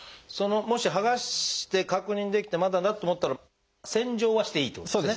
もし剥がして確認できてまだだと思ったら洗浄はしていいってことですね。